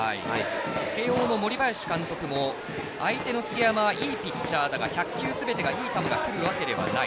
慶応の森林監督も相手の杉山はいいピッチャーだが１００球すべてがいい球がくるわけではない。